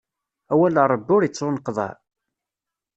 Awal n Ṛebbi ur ittuneqḍaɛ.